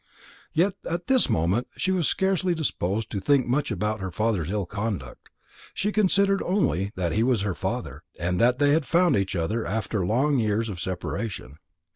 Yet at this moment she was scarcely disposed to think much about her father's ill conduct. She considered only that he was her father, and that they had found each other after long years of separation.